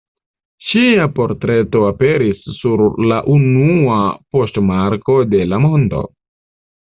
Ŝia portreto aperis sur la unua poŝtmarko de la mondo.